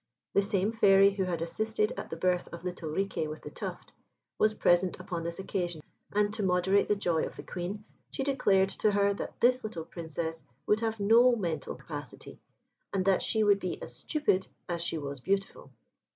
The same Fairy who had assisted at the birth of little Riquet with the Tuft was present upon this occasion, and to moderate the joy of the Queen, she declared to her that this little Princess would have no mental capacity, and that she would be as stupid as she was beautiful.